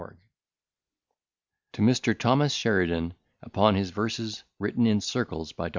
F.] TO MR. THOMAS SHERIDAN UPON HIS VERSES WRITTEN IN CIRCLES BY DR.